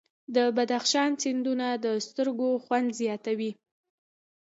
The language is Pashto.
د بدخشان سیندونه د سترګو خوند زیاتوي.